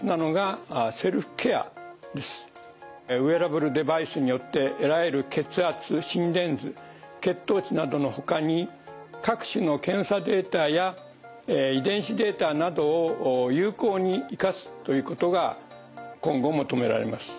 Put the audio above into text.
ウェアラブルデバイスによって得られる血圧心電図血糖値などのほかに各種の検査データや遺伝子データなどを有効に生かすということが今後求められます。